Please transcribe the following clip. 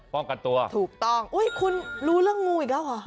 ป้องกันตัวถูกต้องอุ้ยคุณรู้เรื่องงูอีกแล้วเหรอ